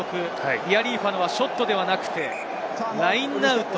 リアリーファノはショットではなく、ラインアウト。